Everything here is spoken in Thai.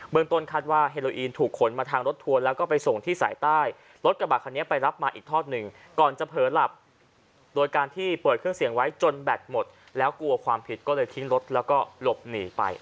เมืองต้นคาดว่าเฮโลอีนถูกขนมาทางรถทัวร์แล้วก็ไปส่งที่สายใต้รถกระบะคันนี้ไปรับมาอีกทอดหนึ่งก่อนจะเผลอหลับโดยการที่เปิดเครื่องเสียงไว้จนแบตหมดแล้วกลัวความผิดก็เลยทิ้งรถแล้วก็หลบหนีไป